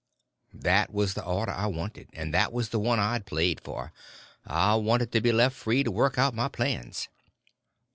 That was the order I wanted, and that was the one I played for. I wanted to be left free to work my plans.